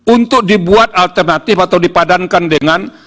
untuk dibuat alternatif atau dipadankan dengan